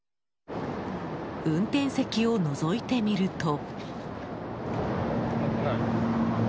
運転席をのぞいてみると。